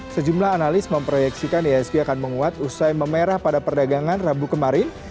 sejumlah analis memproyeksikan ihsg akan menguat usai memerah pada perdagangan rabu kemarin